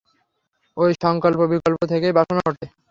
ঐ সঙ্কল্পবিকল্প থেকেই বাসনা ওঠে।